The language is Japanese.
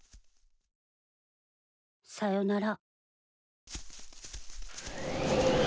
さよなら。